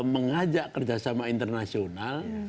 mengajak kerjasama internasional